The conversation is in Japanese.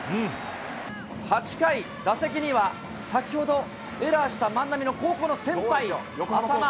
８回、打席には、先ほどエラーした万波の高校の先輩、淺間。